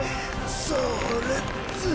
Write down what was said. それっと。